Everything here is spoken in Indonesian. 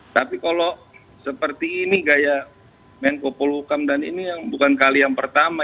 tapi kalau seperti ini kayak menko polhukam dan ini yang bukan kali yang pertama